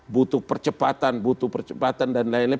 butuh percepatan butuh percepatan dan lain lain